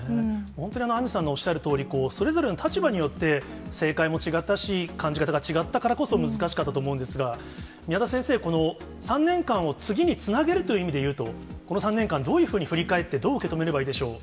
本当にアンジュさんのおっしゃるとおり、それぞれの立場によって、正解も違ったし、感じ方が違ったからこそ、難しかったと思うんですが、宮田先生、３年間を次につなげるという意味でいうと、この３年間、どういうふうに振り返って、どう受け止めればいいでしょう。